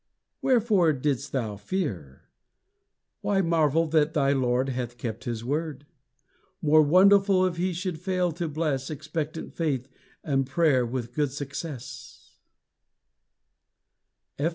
Wherefore didst thou fear? Why marvel that thy Lord hath kept his word? More wonderful if he should fail to bless Expectant faith and prayer with good success!